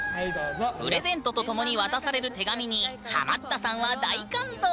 プレゼントと共に渡される手紙にハマったさんは大感動！